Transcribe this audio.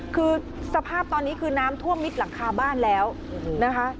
คือสภาพตอนนี้คือน้ำท่วมมิดหลังคาบ้านแล้วนะคะ